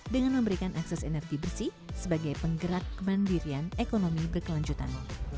dengan memberikan akses energi bersih sebagai penggerak kemandirian ekonomi berkelanjutan